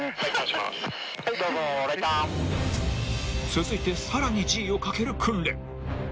［続いてさらにＧをかける訓練］